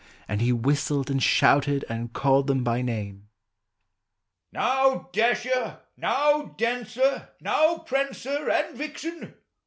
And he whistled and shouted, and called them by name: "Now, Dasher! now, Dancer! now, Prancer and Vixen